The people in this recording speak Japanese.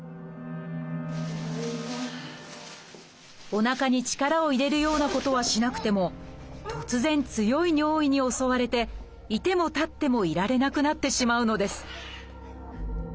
おなかに力を入れるようなことはしなくても突然強い尿意に襲われていてもたってもいられなくなってしまうのです。